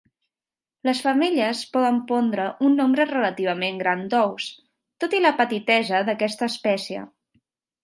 Les femelles poden pondre un nombre relativament gran d'ous, tot i la petitesa d'aquesta espècie.